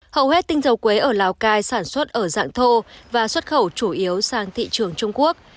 hầu hết tinh dầu quế ở lào cai sản xuất ở dạng thô và xuất khẩu chủ yếu sang thị trường trung quốc